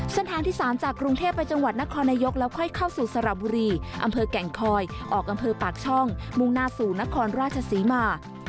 เส้นทางที่๓จากกรุงเทพไปจังหวัดนครนายกแล้วค่อยเข้าสู่สระบุรีอำเภอแก่งคอยออกอำเภอปากช่องมุ่งหน้าสู่นครราชศรีมา